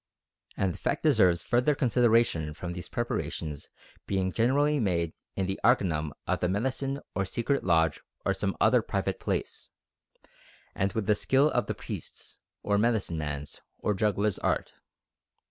And the fact deserves further consideration from these preparations being generally made in the arcanum of the medicine or secret lodge or some other private place, and with the skill of the priest's, or medicine man's, or juggler's art.